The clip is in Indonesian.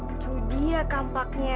itu dia kampaknya